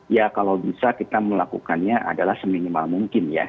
ya kalau bisa kita melakukannya adalah seminimal mungkin ya